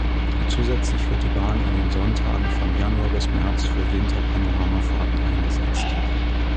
Zusätzlich wird die Bahn an den Sonntagen von Januar bis März für Winter-Panoramafahrten eingesetzt.